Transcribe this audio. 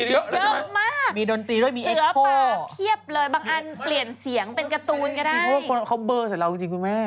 เพราะว่าคนเขาเบอร์ใส่เรากันจริงคุณแม่